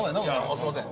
すいません